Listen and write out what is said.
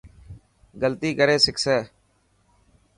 غلطي ڪري سکسي.